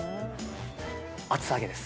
厚揚げです。